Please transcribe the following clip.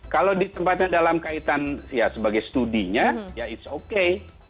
kalau ditempatkan dalam kaitan ya sebagai studinya ya it's okay